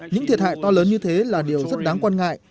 những thiệt hại to lớn như thế là điều rất đáng quan ngại